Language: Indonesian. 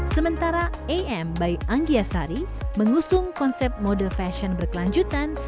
sementara am bayu anggia sari mengusung konsep mode fashion berkelanjutan